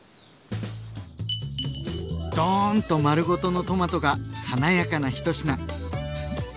ドーンと丸ごとのトマトが華やかな一品。